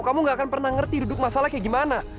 kamu gak akan pernah ngerti duduk masalah kayak gimana